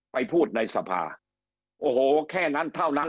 ไปพูดในสภาโอ้โหแค่นั้นเท่านั้น